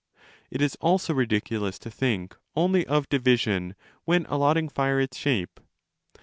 It is also ridiculous to think only of division when allotting fire its shape.